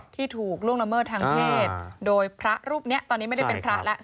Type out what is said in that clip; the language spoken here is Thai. ถูกล่วงละเมิดทางเพศโดยพระรูปนี้ตอนนี้ไม่ได้เป็นพระแล้ว